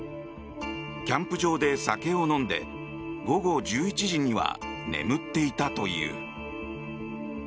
キャンプ場で酒を飲んで午後１１時には眠っていたという。